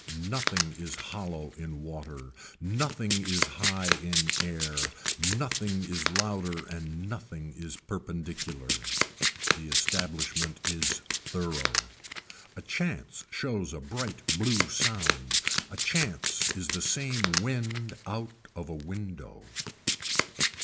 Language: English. Nothing is hollow in water, nothing is high in air, nothing is louder and nothing is perpendicular. The establishment is thorough. A chance shows a bright blue sound, a chance is the same wind out of a window.